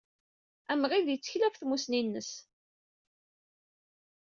Amɣid yettkel ɣef tmussni-nnes.